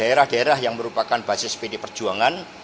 daerah daerah yang merupakan basis pd perjuangan